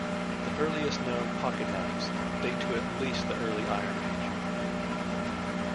The earliest known pocketknives date to at least the early Iron Age.